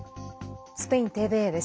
スペインＴＶＥです。